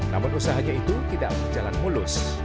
namun usahanya itu tidak berjalan mulus